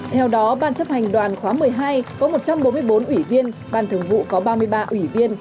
theo đó ban chấp hành đoàn khóa một mươi hai có một trăm bốn mươi bốn ủy viên ban thường vụ có ba mươi ba ủy viên